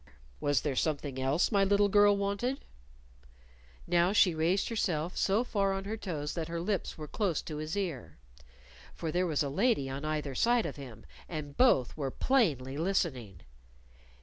"Was there something else my little girl wanted?" Now she raised herself so far on her toes that her lips were close to his ear. For there was a lady on either side of him. And both were plainly listening.